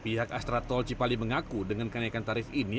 pihak astra tol cipali mengaku dengan kenaikan tarif ini